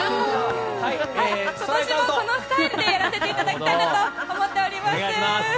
今年もこのスタイルでやらせていただきたいと思っています。